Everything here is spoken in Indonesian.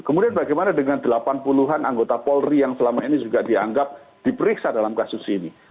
kemudian bagaimana dengan delapan puluh an anggota polri yang selama ini juga dianggap diperiksa dalam kasus ini